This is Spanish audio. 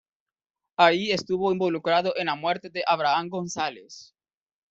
Ahí estuvo involucrado en la muerte de Abraham González.